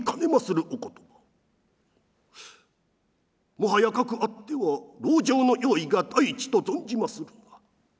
もはやかくあっては籠城の用意が第一と存じまするが」。